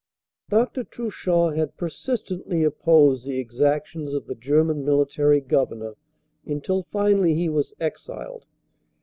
Dr. Truchon had persistently opposed the exactions of the German Military Governor, until finally he was exiled.